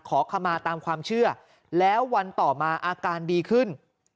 ขอขมาตามความเชื่อแล้ววันต่อมาอาการดีขึ้น